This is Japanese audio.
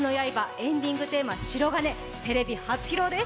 エンディングテーマ「白銀」テレビ初披露です。